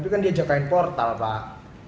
tapi kan diajakain portal pak